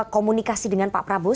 komunikasi dengan pak prabowo